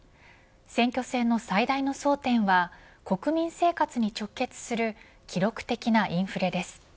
選挙戦の最大の争点は国民生活に直結する記録的なインフレです。